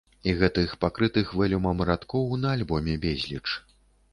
І гэтых пакрытых вэлюмам радкоў на альбоме безліч.